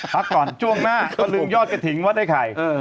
พักก่อนช่วงหน้าตะลึงยอดกระถิ่นว่าได้ไข่